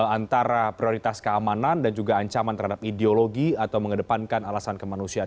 antara prioritas keamanan dan juga ancaman terhadap ideologi atau mengedepankan alasan kemanusiaan